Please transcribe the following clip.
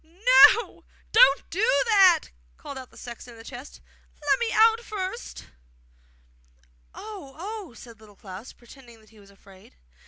'No, don't do that!' called out the sexton in the chest. 'Let me get out first!' 'Oh, oh!' said Little Klaus, pretending that he was afraid.